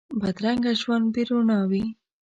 بدرنګه ژوند بې روڼا وي